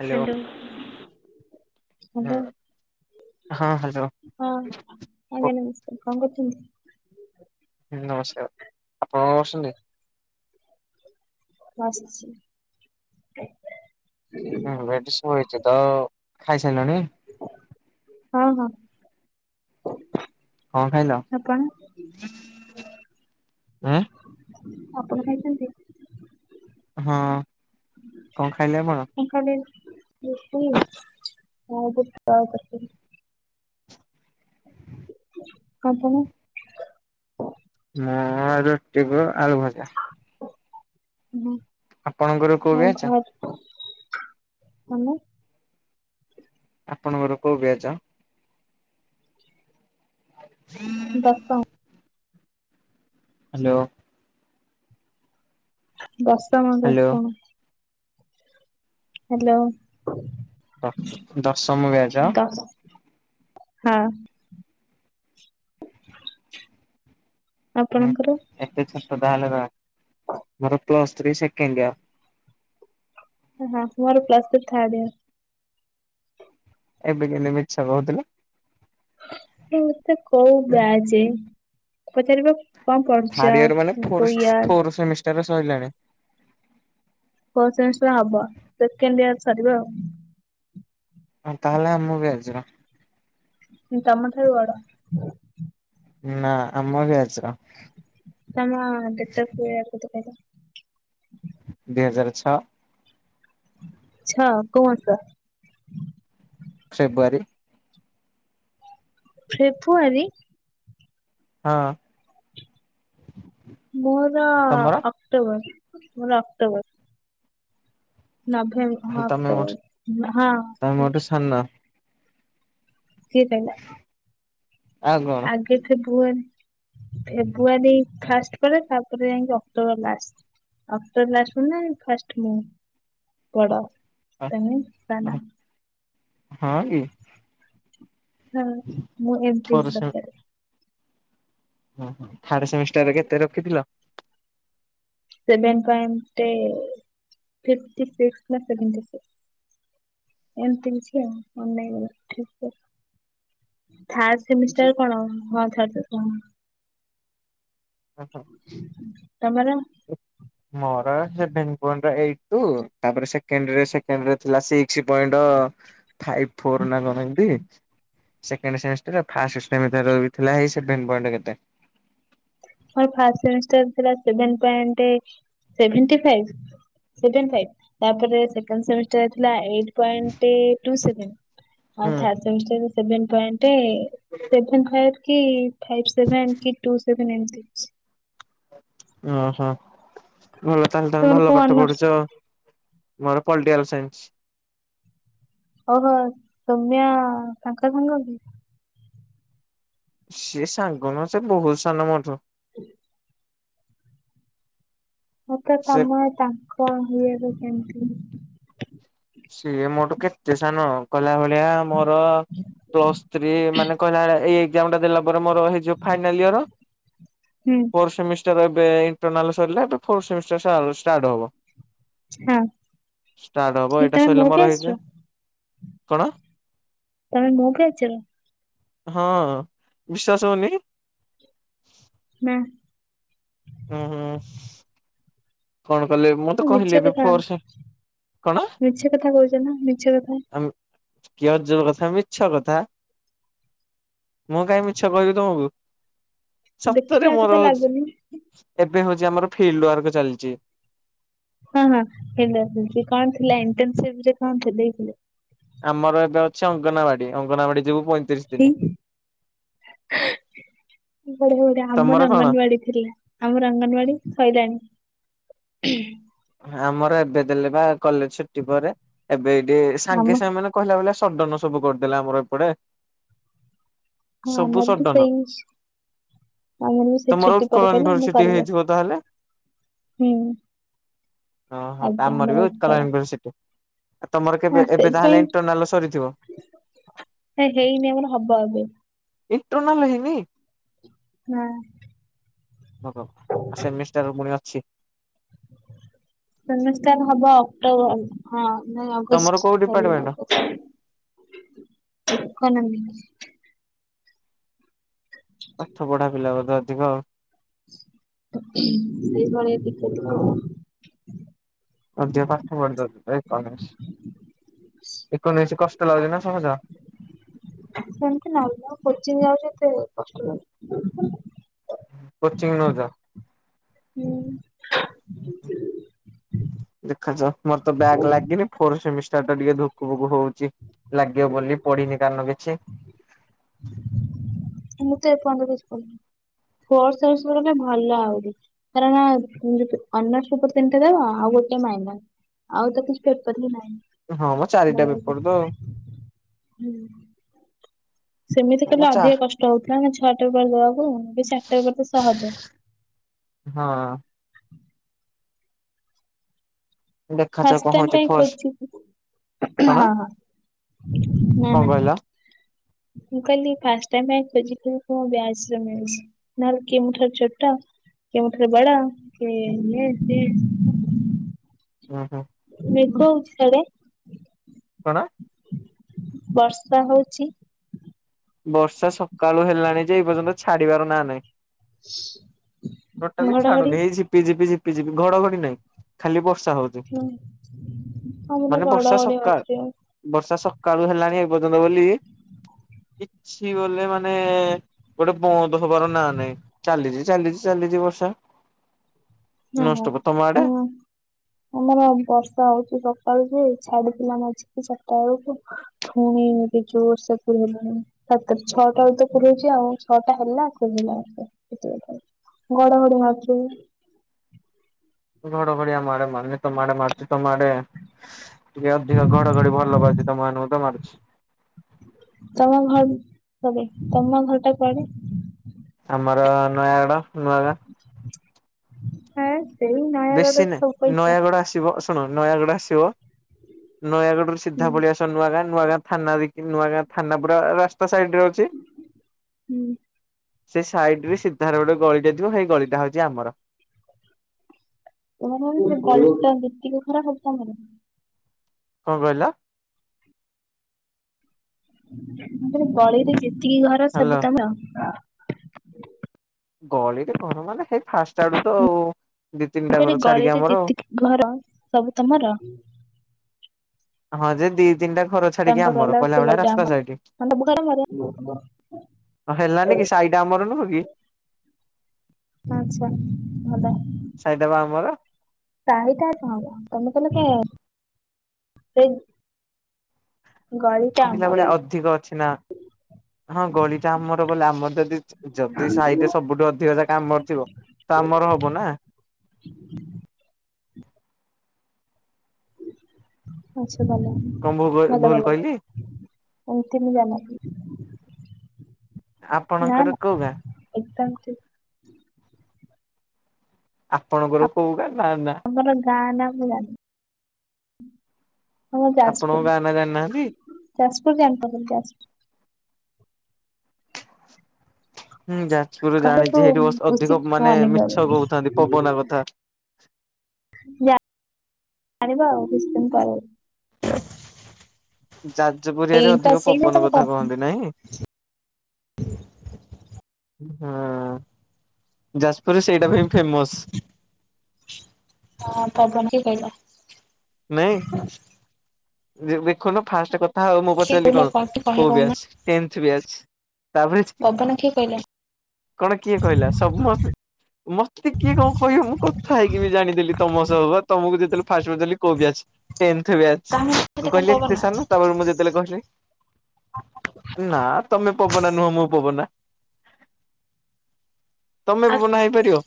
Hello hello ହଁ hello ହଁ hello ହଁ ଆଜ୍ଞା ନମସ୍କାର କଣ କରୁଚନ୍ତି? ନମସ୍କାର ଆପଣ କଣ କରୁଚନ୍ତି? ବସଚି। ହୁଁ ଏଠି ଶୋଇଚି ତ ଖାଇସାରିଲଣି? ହଁ ହଁ କଣ ଖାଇଲ ଆପଣ? ଏଁ ଆପଣ ଖାଇଚନ୍ତି? ହଁ କଣ ଖାଇଲେ ଆପଣ? ମୁଁ ଖାଇଲି ରୁଟି ଆଉ ବୁଟ ତରକାରୀ। ଆପଣ? ମୁଁ ରୁଟିକୁ ଆଳୁ ଭଜା। ଆପଣଙ୍କର କୋଉ ହଁ ବ୍ୟାଚ ଘର ତମେ? ଆପଣଙ୍କର କୋଉ ବ୍ୟାଚ? ଦଶମ। ହାଲୋ ଦଶମ ହ୍ୟାଲୋ ଦଶମ ହାଲୋ ଦଶମ ବ୍ୟାଚ ଦସ୍ ହଁ ଆପଣଙ୍କର? ଏତେ ଛୋଟ ତାହେଲେ ତମେ ମୋର ପ୍ଲସ୍ ଥ୍ରୀ ସେକେଣ୍ଡ ଇୟର। ହଁ ମୋର ପ୍ଲସ୍ ଥ୍ରୀ ଥାର୍ଡ ଇୟର। ଏବେ କେମତି ମିଛ କହୁଥିଲୁ? ଏମିତି କୋଉ ବ୍ୟାଚ ପଚାରିବା କଣ ପଢୁଚ କଣ କୋଉ ୟିଅର? ତାର ସଇଲାଣି। ଫୋର୍ଥ ସେମିଷ୍ଟାର ହବ ସେକେଣ୍ଡ ଇୟର ସରିବ ଆଉ। ଆଉ ତାହେଲେ ଆମ ବ୍ୟାଚ? ତମ ଠାରୁ ବଡ। ନା ଆମ ବ୍ୟାଚର। ତମ ଡେଟ ଅଫ ୟର କେତେ କହିଲ? ଦୁଇ ହଜାର ଛଅ ଛ କୁ ହସା। ଫେବୃଆରୀ। ଫେବୃଆରୀ। ହଁ। ମୋର ତମର ଅକ୍ଟୋବର ମୋର ଅକ୍ଟୋବର। ନଭେ ହଁ ତାହେଲେ ଅକ୍ଟୋବର ହଁ। ହା ନା। କିଏ କଇଲା। ଆଉ କଣ? ଏ ଫେବୃଆରୀ ଫେବୃୁଆରୀ ଫାଷ୍ଟ ପରେ ତାପରେ ଯାଇକି October last. October last [unintelligible] first ମୁଁ ବଡ଼। ଇତାନି ଇସାନା। ହଁ କି? ହଁ ମୁଁ ଏମିତି ଫୋର୍ ସତରେ। ଓ ଥାର୍ଡ ସେମିଷ୍ଟାରରେ କେତେ ରଖିଥିଲ? ସେଭନ୍ ପଏଣ୍ଟ ଫିଫ୍ଟୀ ସିକ୍ସି ନା ସେଭେଣ୍ଟୀ ସିକ୍ସି। ଏମିତି କିଛି ଆଉ ଅନେଇ [inaudible] ଥାର୍ଡ ଜି ସେମିଷ୍ଟାର କଣ ହଁ ଥାର୍ଡ ସେମିଷ୍ଟର ହଁ। ତମର? ମୋର ସେଭେନ୍ ପଏଣ୍ଟ ଏଇଟି ଟୁ ତାପରେ ସେକେଣ୍ଡ ରେ ସେକେଣ୍ଡ ରେ ଥିଲା ସିକ୍ସି ପଏଣ୍ଟ ଫାଇପି ଫୋର ନା କଣ ଏମତି। ସେକେଣ୍ଡ ସେମିଷ୍ଟର ଫାଷ୍ଟ ସେମିଷ୍ଟାର ଥିଲାଇ ସେଭେନ ପଏଣ୍ଟ କେତେ ମୋର ଫାର୍ଷ୍ଟ ସେମିଷ୍ଟର ଥିଲା seven point seventy five. Seven five. ତାପରେ ସେକଣ୍ଡମିଷ୍ଟଥିଲା ଏଇ ପଏଣ୍ଟ ଟୁ ସେଭେନ ଆଉ ହୁଁ third semester seven point seven five କି ଫାଇପି ସେଭେନ କି ଟୁ ସେଭେନ ଏମତି ଅଚ୍ଛି। ଓହୋ ଭଲ ତାହେଲେ ତମେ ତମର କୋଉ ଭଲ ପାଠ ଅନର୍ସ ପଢୁଛ। ମୋର ପଲିଟିିକାଲ ସାଇନ୍ସି। ଓହୋ ସମ୍ୟା ତାଙ୍କ ସାଙ୍ଗ କି? ସିଏ ସାଙ୍ଗ ନୁହଁ ସେ ବହୁତୁ ସାନ ମଠୁ। ହଁ ମତେ ସେ ତମର ତାଙ୍କ ହିଆରେ ସେମିତି। ସିଏ ମୋଟୁ କେ ସାନ କହିଲା ଭଳିଆ ମୋର ପ୍ଲସ ସ୍ତ୍ରୀ ମାନେ କହିଲା ଭଳିଆ ଏଇ ଏକ୍ସାମ୍ ଟା ଦେଲା ପରେ ମୋର ହେଇଯିବା ଫାଇନାଲ ୟର୍। ହୁଁ ଫୋର୍ ସେମି ତାର ଏବେ ଇଣ୍ଟରନାଲ ସରିଲା ହେଠୁ ଫୋର୍ ସେମିଷ୍ଟର ଷ୍ଟାର୍ଟ ହବ। ହଁ ଷ୍ଟାର୍ଟ ହବ ଠିକ ଏଇଟା ତମେ ମୋ ଶୋଇଲ ମର ବ୍ୟାଚର ହେଇଯ କଣ? ତମେ ମୁଁ ବି ଆଚ ହଁ ବିଶ୍ୱାସ ହଉନି? ନା। ହୁଁ ହୁଁ। ହୁଁ। କଣ କଲେ ମୁଁ ତ କହିଲି ମିଛ ଏବେ କଥା ଫୋର୍ ସେ କଣ ମିଛ କଥା କହୁଛ ନା ମିଛ କଥା। କି ଅଜବ କଥା ମିଛ କଥା। ମୁଁ କାଇଁ ମିଛ କହିବି ତମକୁ ସତରେ ଦେଖିଲାଠୁ ମୋର ତ ହୋଉଚି ଲାଗୁନି। ଏବେ ହୋଉଚି ଆମର ଫିଲ୍ଡ ୱାର୍କ ଚାଲିଚି। ହଁ ହଁ ହେ କଣ ଥିଲା? ଇଣ୍ଟ ରେ କଣ ଦେଇଥିଲେ? ଆମର ଏବେ ଅଛି ଅଙ୍ଗନବାଡି, ଅଙ୍ଗନବାଡି ଯିବୁ ପଇଁତିରିଶ ଦିନ [unintelligible] ବଢିଆ ବଢିଆ ତମର ଆମର କଣ? ଅଙ୍ଗନବାଡି ଥିଲା? ଆମର ଅଙ୍ଗନବାଡି ସଇଲାଣି। [unintelligible] ଆମର ଏବେ ଦେଲେ ବା କଲେଜ ଛୁଟି ପରେ ଏବେ ଏଇଠି ସାଙ୍ଗେ ଆମ ସାଙ୍ଗେ ମାନେ କହିଲା ଭଳିଆ ସଡନ୍ ସବୁ କରିଦେଲା ଆମର ଏପଟେ। ହଁ ସବୁ ଆମର ବି ସଡନ ସେଇ ଇସୁ। ଆମର ସେ ତମର ଛୁଟି ଉତ୍କଳ ପରେ କହିଲେ। ଆମେ ୟୁନିଭରସିଟି କରି ହେଇଥିବ ତାହେଲେ? ଆସି ହୁଁ। ହଁ ହଁ ଆମର ବି ଉତ୍କଳ ୟୁନିଭରସିଟି। ଆଉ ତମର କେବେ ହଁ ଏବେ ତାହେଲେ ଇଣ୍ଟରନାଲ ସରିଥିବ। ହେ ହେଇନି ଆମର ହବ ଏବେ। ଇଣ୍ଟରନାଲ ହେଇନି? ହୁଁ। ଓହୋ ସେମିଷ୍ଟାର ଫୁଣୀ ଅଛି। ସେମିଷ୍ଟର ହବ ଅକ୍ଟୋବର ହଁ ନାଇଁ ତମର ଅଗଷ୍ଟ କୋଉ ସାରି ଡିପାର୍ଟମେଣ୍ଟ? ହବ। ଇକୋନୋମିକ୍ସ ପାଠ ପଢା ପିଲା ବୋଧେ ଅଧିକ ଆଉ। ସେଇଭଳିଆ ଟିକେ ଟିକେ ଆଉ। ଅଧିକ ପାଠ ପଢି ଦୋଉଚ [unintelligible] ଇକୋନୋମିକ୍ସ। ଇକୋନୋମିକ୍ସ କଷ୍ଟ ଲାଗୁଚି ନା ସହଜ? ସେମତି ନା [unintelligible] ଆଉ କୋଚିଂ ଯାଉଚି ଏତେ କଷ୍ଟ ଲାଗୁନି। କୋଚିଂ ନୋଉଚ? ହୁଁ। ଦେଖାଯାଉ ମୋର ତ ବ୍ୟାକ୍ ଲାଗିନି ଫୋର ସେମିଷ୍ଟର ଟା ଟିକେ ଧୁକୁ ଧୁକୁ ହୋଉଚି। ଲାଗିବ ବୋଲି ପଢିନି କାରଣ କିଛି। ମୁଁ ତ ଏପର୍ଯ୍ୟନ୍ତ କିଛି ପଢିନି। ଫୋର୍ ସେମିଷ୍ଟାର ବି ଭଲ ଆହୁରି। କାରଣ ଅନର୍ଶ ପେପର୍ ତିନିଟା ରହିବ, ଆଉ ଗୋଟେ ମାଇନର୍। ଆଉ ତ କିଛି ପେପର ହିଁ ହଁ ମ ଚାରିଟା ପେପର ତ ନାହିଁ। ଆଉ [unintelligible] ସେମିତି କହିଲେ ମୋ ଚା ଅଧିକ କଷ୍ଟ ହୋଉଥିଲା ନା ଛଅଟା ପେପର୍ ଦବାକୁ ଏବେ ଚାରିଟା ପେପର୍ ତ ସହଜ। ହଁ। ଦେଖାଯାଉ ଫାଷ୍ଟ କଣ ଟାଇମ୍ ହଉଛି ପାଇଁ ଫୋର୍ସ ଖୋଲିଚି [unintelligible] କଣ ହଁ ହଁ ନାଁ କଣ ନାଁ। କହିଲ ମୁଁ କହିଲି ଫାଷ୍ଟ ଟାଇମ୍ ପାଇଁ ଖୋଜିକି ମୋ ବ୍ୟାଚରେ ମିଳୁଚି। ନହେଲେ କିଏ ମୁଁ ଠାରୁ ଛୋଟ କିଏ ମୋ ଠାରୁ ବଡ କିଏ ଇଏ ସିଏ। ଉଁ ହୁଁ। ମେଘ ହୋଉଚି ସିଆଡେ? କଣ? ବର୍ଷା ହୋଉଚି? ବର୍ଷା ସକାଳୁ ହେଲାଣି ଯେ ଏଇ ପର୍ଯ୍ୟନ୍ତ ଛାଡିବାର ନା ନାହିଁ। ଟୋଟାଲି ଘଡଘଡି ଛାଡୁନ ଏଇ ଝି ପିଝିପି, ଝିପିଝିପି ଘଡଘଡି ନାହିଁ। ଖାଲି ବର୍ଷା ହୋଉ ହୁଁ ଆମର ବର୍ଷା ବଡଘଡି ସକାଳ ମାରୁଚି ଆଉ। ବର୍ଷା ସକାଳୁ ହେଲାଣି, ଏପର୍ଯ୍ୟନ୍ତ ବୋଲି କିଛି ବୋଲି ମାନେ ଗୋଟେ ବନ୍ଦ ହେବାର ନା ନାଇଁ ଚାଲିଛି, ଚାଲିଛି, ଚାଲିଛି ବର୍ଷା। ହଁ। ନନଷ୍ଟପ୍ ତାମାଆଡ? ହୁଁ ଆମର ବର୍ଷା ହଉଛି ସକାଳୁ ଯେ, ଛାଡିଥିଲା। ମଝିରେ ଚାରିଟା ବେଳକୁ। ଫୁଣି ଯୋରେସରେ ବର୍ଷା କଣ ହେଲାଣି। ସାତ ଛଅଟା ବେଳୁ ତ ପକାଉଛି ଆଉ ଛଅଟା ହେଲା କମିଲା ବର୍ଷା [unintelligible] ଘଡଘଡି ମାରୁଛି। ଘଡ଼ ଘଡ଼ିଆ ଆମ ଆଡ଼େ ମାରୁନି ତମ ମାରଚି, ତ ତମଆଡେ ଟିକେ ଅଧିକ ଘଡଘଡି ଭଲ ପାଉଛି ତମ ମାନଙ୍କୁ ତ ମାରୁଛି। ତମ ଘର କ ତମ ଘର ଟା କୁଆଡେ? ଆମର ନୂଆାଗଡ ନୂଆଗାଁ। ହେ ସେଇ ନୟାଗଡ଼ ଶୋ କରୁଛ। ଏବେ ଶୁଣ ନୟାଗଡ ଆସିବ ନୟାଗଡରୁ ସିଧା ହୁଁ ପଲେଇ [unintelligible] ନୂଆଗାଁ ନୂଆଗାଁ ଥାନା ଦେଇକି ନୂଆାଁ ଥାନା ପୁରା ରା ସାଇଡରେ ଅଛି ହୁଁ ସେ ସାଇଡରେ ସିଧାର ଗୋଟେ ଗଳିଟେ ହେଇ ଗଳିଟା ହଉଛି ଆମର। ତମର [unintelligible] କଣ କହିଲ? ତମ ଗଳିରେ ଯେତିକି ଘର ହାଲୋ। ସବୁ ତମର? ଗଳିରେ ଘର ମାନେ ହେଇ ଫାଷ୍ଟ ଆଡୁ ତ ଆଉ ଦି ତିନିଟା କହିଲି ଘର ଛାଡିକି ଗଳିରେ ଆମର ଆଉ। ଯେତିକି ଘର ସବୁ ତମର? ହଁ ଯେ ଦି ତିନଟା ଘର ଚ୍ ତମେ ପା କହିଲ [unintelligible] ତମେ ଭୋକରେ [unintelligible] ହେଲାନି କି ସାଇଟା ଆମର ନୁହଁ କି? ଆଚ୍ଛା ଭଲ। ସାଇଟା ପା ଆମର। ସାହିଟା ଟା ତମର ତମେ [unintelligible] ଗଳିଟା କହିଲା ଆମର। ଭଳିଆ ଅଧିକ ଅଛି ନା। ହଁ ଗଳି ଟା ଆମର ବଲେ ଆମର ଯଦି ଯଦି ସାହିରେ ସବୁଠୁ ଅଧିକ ଜାଗା ଆମର ଥିବ। ତ ଆମର ହବ ନା। ଆଚ୍ଛା ଭଲ କଣ ଭୁ ଭଲ ଭୁଲ ଭଲ। କହିଲି ମୁତିନି [unintelligible] ଆପଣଙ୍କର କୋଉ ଗାଁ? ଏକଦମ। ଆପଣଙ୍କର କୋଉ ଗାଁ ନା ନା? ଆମର ଗାଁ ନା ମୁ ଜାଣିନି? ଆମର ଆପଣଙ୍କ ଯାଜପୁର ଗାଁ ନା ଜାଣିନାହାନ୍ତି? ଯାଜପୁର ଜାଣିଥିବ ଯାଜପୁର। ହଁ ଯାଜପୁର କହିବାକୁ ଜାଣିଛି ସେଇଠି ଅଧିକ ଉଚିତ୍ ମାନେ ମନେ ମିଛ କରୁନି। କହୁଥାନ୍ତି ପବନା କଥା। ଜାଣିବ ଆଉ କିଛିଦିନ ପରେ। ଯାଜପୁରିଆରେ ଏଇଟା ଅଧିକ ସେଇଟା ପବନ ତମେ କଥା କହୁଥିଲ। କହନ୍ତି ନହିଁ? ହଁ ଯାଜପୁର ସେଇଟା ପାଇଁ ଫେମସ। ହଁ ପବନ କିଏ କହିଲା? ନାଇଁ। ଦେଖୁନ ଫାଷ୍ଟ କଥା ହଉ ମୁଁ କିଏ ପଚାରିଲି କହିଲ କଣ କହେ କୋଉ କହୁନା ବ୍ୟଚ୍ ଟେନ୍ଥ ବ୍ୟାଚ୍ ତାପରେ ପବନ କିଏ କହିଲା? କଣ କିଏ କହିଲା ସମସ୍ତେ ମତେ କିଏ କଣ କହିବ ମୁଁ କଥା ହେଇକିବି ଜାଣିଦେଲି ତମ ସହବା ତମକୁ ଯେତେବେଳେ ଫାଷ୍ଟ ପଚାରିଲି କୋଉ ଵ୍ୟଚ୍ ଟେନ୍ଥ ବ୍ୟାଚ୍ ତମେ ମୁ ମତେ କଣ କହିଲି ପବନ ଏତେ ସାନ ତାପରେ ମୁ ଯେ ତେଳେକହିଲି ନାଁ ତମେ ପବନା ନୁହଁ ମୁଁ ପବନା। ତମେ ଆଉ ପବନା ହେଇପାରିବ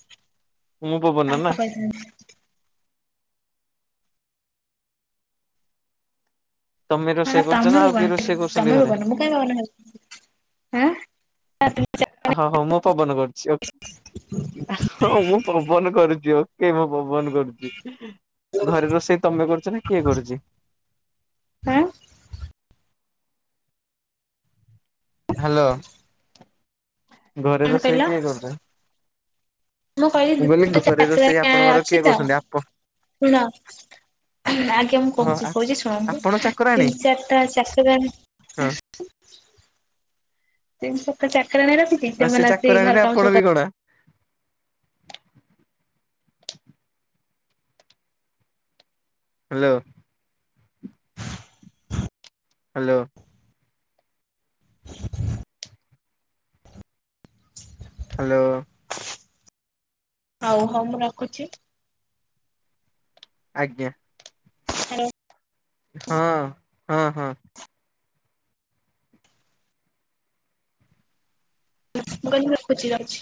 ମୁଁ ପବନା ନାଁ। ହୁଁ। ତମେ ରୋଷେଇ ହ କରୁଛ ନା ତମେ ଆଉ କିଏ ପବନାଟି ରୋଷେଇ କରୁଛନ୍ତି ତମେ ଘରେ? ପବନ ମୁକାଇଁ ପବନା ହେବି ଆଁ [unintelligible] ହଁ ହଁ ମୁଁ ପବନ କରୁଚି ଆଉ ହଁ ମୁଁ ପବନ କରୁଚି ଆଉ। କିଏବା ପବନ କରୁଚି ଘରେ ରୋଷେଇ ତମେ କରୁଚିନା କିଏ କରୁଚି? ଆଁ? ହାଲୋ। ଘରେ କଣ ରୋଷେଇ କହିଲ କିଏ କରୁଚନ୍ତି? ମୁଁ କହିଲି ଦୁଇ ତିନିଟା ଘରେ ରୋଷେଇ ଚାକରାଣି ଆପଣଙ୍କର କିଏ ଅଛିତ କରୁଛନ୍ତି ଆପ ଶୁଣ। ଆଜ୍ଞା ମୁଁ ହଁ କହୁଚି କହୁଚି ଶୁଣନ୍ତୁ ଆପଣ ତିନି ଚାକରାଣୀ ଚାରିଟା ଚାକରାଣି ହଁ। ତିନି ଚାରିଟା ଚାକେରାଣୀ ରଖିଚି ଆଉ ସେ ସେମାନେ ଆସିକି ଘର୍ ଚାକରାଣୀରେ କାମ ଆପଣ ସବୁ ବି କ ଗଣା ହାଲୋ। ହାଲୋ। ହାଲୋ। ହଉ ହଉ ମୁଁ ରଖୁଚି। ଆଜ୍ଞା। ହାଲୋ। ହଁ ହଁ ହଁ। ମୁଁ କହିଲି ରଖୁଚି ଯାଉଚି।